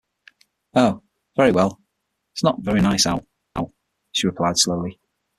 “Oh, very well; it’s not very nice out,” she replied slowly.